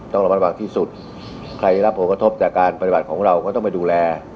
ต้องระมัดระวังที่สุดใครได้รับผลกระทบจากการปฏิบัติของเราก็ต้องไปดูแล